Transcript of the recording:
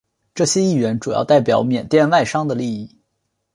这些议员主要代表缅甸外商的利益。